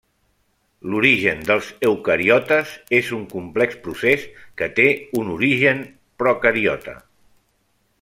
L'origen dels eucariotes és un complex procés que té un origen procariota.